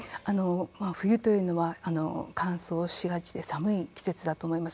冬というのは乾燥しがちで寒い季節だと思います。